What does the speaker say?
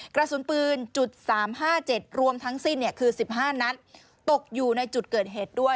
กระสุนปืน๓๕๗รวมทั้งสิ้นคือ๑๕นัดตกอยู่ในจุดเกิดเหตุด้วย